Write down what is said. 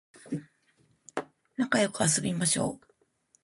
なかよく遊びましょう